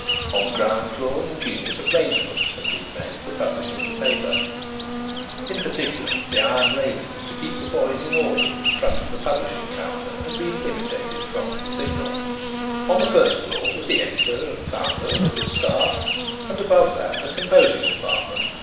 On the ground floor ingenious arrangements had been made for publishing the paper; in particular, the iron railings to keep the boys in order in front of the publishing counter had been imitated from the Signal. On the first floor was the editor and founder with his staff, and above that the composing department.